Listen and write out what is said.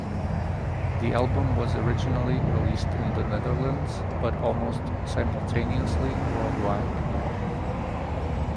The album was originally released in the Netherlands but almost simultaneously worldwide.